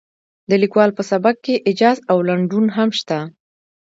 د لیکوال په سبک کې ایجاز او لنډون هم شته.